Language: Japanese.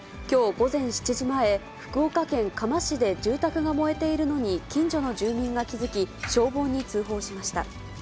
きょう午前７時前、福岡県嘉麻市で住宅が燃えているのに近所の住民が気付き、消防に通報しました。